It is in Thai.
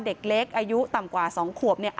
เด็กเล็กอายุต่ำกว่า๒ขวบเนี่ย